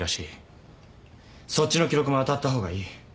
そっちの記録も当たった方がいい。